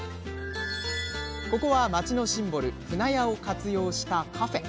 ここは町のシンボル舟屋を活用したカフェ。